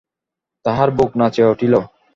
তাহার বুক নাচিয়া উঠিল।